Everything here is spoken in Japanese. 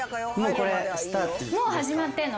もう始まってんの。